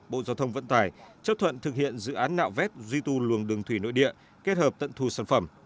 bộ giao thông vận tải chấp thuận thực hiện dự án nạo vét duy tu luồng đường thủy nội địa kết hợp tận thu sản phẩm